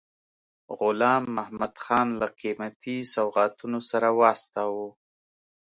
غلام محمدخان له قیمتي سوغاتونو سره واستاوه.